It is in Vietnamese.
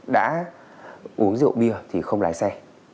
đã uống rượu bia thì không lái xe